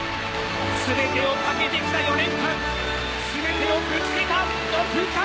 全てをかけてきた４年間全てをぶつけた６分間！